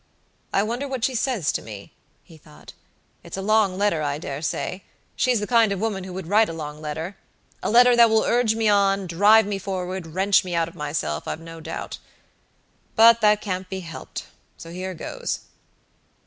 "I wonder what she says to me?" he thought. "It's a long letter, I dare say; she's the kind of woman who would write a long lettera letter that will urge me on, drive me forward, wrench me out of myself, I've no doubt. But that can't be helpedso here goes!"